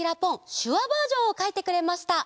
しゅわバージョンをかいてくれました。